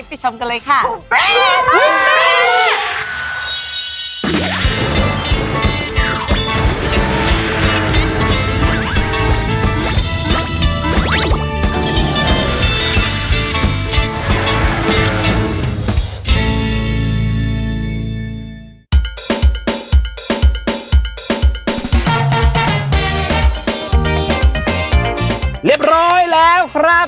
ไปชมกันเลยค่ะปุ๊บแป๊บวิสเปรด